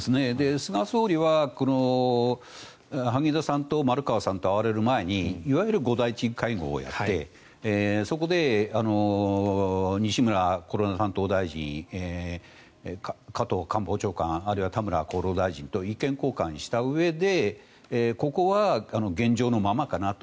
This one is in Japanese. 菅総理は萩生田さんと丸川さんと会われる前にいわゆる５大臣会合をやってそこで西村コロナ担当大臣加藤官房長官あるいは田村厚労大臣と意見交換したうえでここは現状のままかなと。